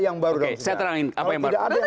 yang baru dalam sejarah